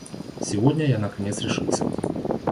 Сегодня я наконец решился.